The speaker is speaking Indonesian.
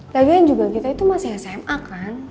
lagi kan juga kita itu masih sma kan